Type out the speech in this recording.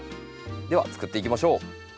ではつくっていきましょう。